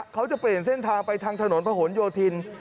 เขาจะเปลี่ยนเส้นทางไปทางถนนพะหนโยธิน